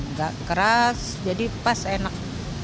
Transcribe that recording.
nggak keras jadi pas enak